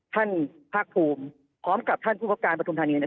ภาคภูมิพร้อมกับท่านผู้ประการประทุมธานีเนี่ย